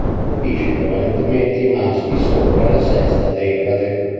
Colpisce prevalentemente i maschi sopra la sesta decade.